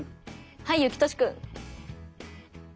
はいゆきとしくん。